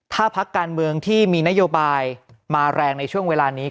ถ้าพักการเมืองที่มีนโยบายมาแรงในช่วงเวลานี้